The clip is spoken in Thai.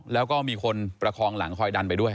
แล้วก็มีคนประคองหลังคอยดันไปด้วย